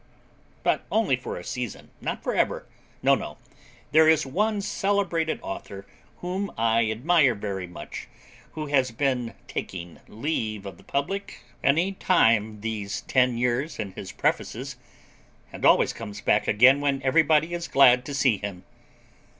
But only for a season. Not for ever. No, no. There is one celebrated author whom I admire very much who has been taking leave of the public any time these ten years in his prefaces, and always comes back again when everybody is glad to see him.